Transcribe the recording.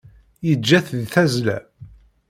Yeǧǧa-t di tazzla.